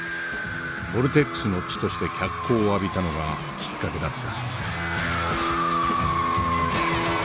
ボルテックスの地として脚光を浴びたのがきっかけだった。